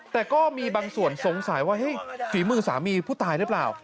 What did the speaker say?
แต่ก็มีบางส่วนสงสัยว่าเฮ้ยฝีมือสามีผู้ตายหรือเปล่า